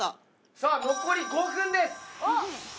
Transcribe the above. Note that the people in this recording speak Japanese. さあ残り５分です。